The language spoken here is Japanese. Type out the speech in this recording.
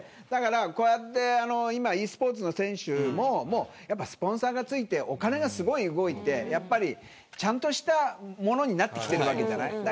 だから、こうやって今ｅスポーツの選手ももう、やっぱスポンサーがついてお金がすごい動いてやっぱり、ちゃんとしたものになってきてるわけじゃない。